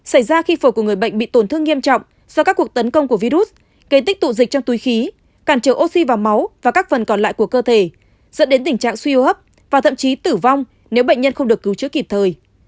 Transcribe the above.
xảy ra khi phổi của người bệnh bị tổn thương nghiêm trọng do các cuộc tấn công của virus gây tích tụ dịch trong túi khí cản trở oxy vào máu và các phần còn lại của cơ thể dẫn đến tình trạng suy hô hấp và thậm chí tử vong nếu bệnh nhân không được cứu chữa kịp thời